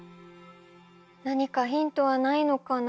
何かヒントはないのかな。